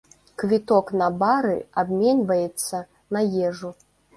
Квіток на бары абменьваецца на ежу.